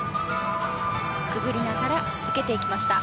くぐりながら受けていきました。